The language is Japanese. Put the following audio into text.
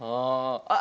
ああ。